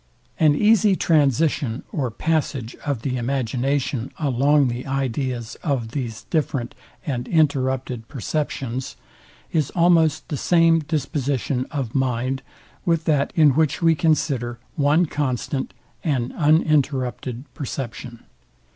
An easy transition or passage of the imagination, along the ideas of these different and interrupted perceptions, is almost the same disposition of mind with that in which we consider one constant and uninterrupted perception.